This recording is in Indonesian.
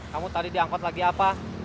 kamu tadi diangkut lagi apa